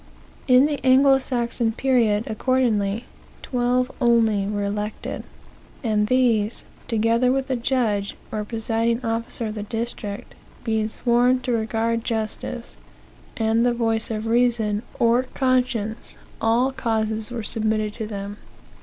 "In the Anglo Saxon period, accordingly, twelve only were elected; and these, together with the judge, or presiding officer of the district, being sworn to regard justice, and the voice of reason, or conscience, all causes were submitted to them."